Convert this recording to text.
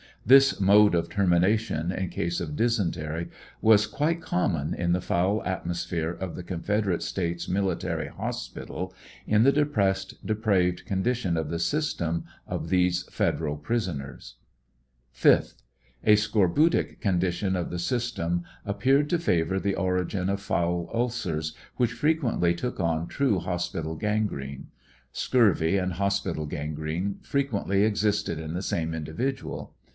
This mode of termination in case of dysentery was quite common in the foul atmosphere of the Confederate States Military Hospital, in the depressed, depraved con dition of the system of these Federal prisoners. 5th, A scorbutic condition of the system appeared to favor the origin of foul ulcers, which frequently took on true hospital gan grene. Scurvy and hospital gangTcne frequently existed in the same individual.